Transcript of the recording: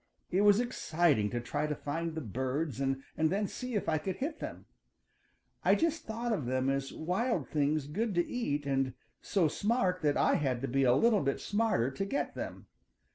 It was exciting to try to find the birds and then see if I could hit them. I just thought of them as wild things good to eat and so smart that I had to be a little bit smarter to get them.